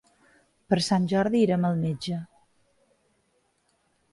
Per Sant Jordi irem al metge.